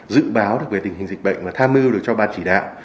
dự báo về tình hình dịch bệnh và tham mưu được cho bàn chỉ đạo